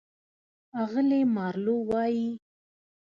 اغلې مارلو وايي: